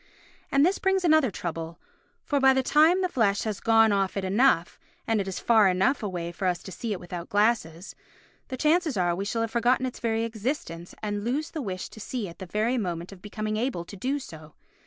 And this brings another trouble, for by the time the flesh has gone off it enough, and it is far enough away for us to see it without glasses, the chances are we shall have forgotten its very existence and lose the wish to see at the very moment of becoming able to do so.